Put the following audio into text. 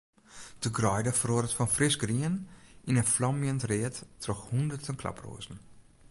De greide feroaret fan frisgrien yn in flamjend read troch hûnderten klaproazen.